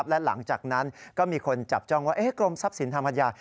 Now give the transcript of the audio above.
และหลังจากนั้นก็มีคนจับจ้องว่ากรมทรัพย์สินทางปัญญา